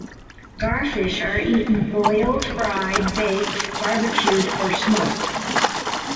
Garfish are eaten boiled, fried, baked, barbecued or smoked.